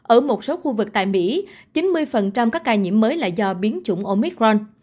ở một số khu vực tại mỹ chín mươi các ca nhiễm mới là do biến chủng omicron